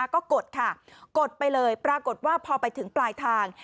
ก็กดค่ะกดไปเลยปรากฏว่าพอไปถึงปลายทาง